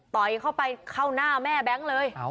เข้าไปเข้าหน้าแม่แบงค์เลย